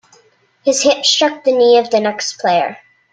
His hip struck the knee of the next player.